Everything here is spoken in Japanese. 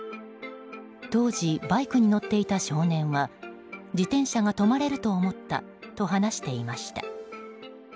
当時、バイクに乗っていた少年は自転車が止まれると思ったと話していました。